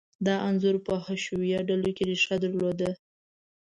دا انځور په حشویه ډلو کې ریښه درلوده.